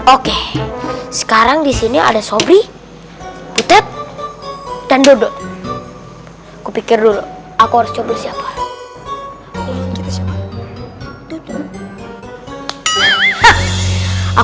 oke sekarang disini ada shobby dan dodot kupikir dulu aku harus coba siapa